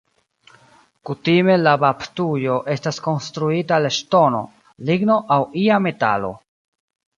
Kutime la baptujo estas konstruita el ŝtono, ligno aŭ ia metalo.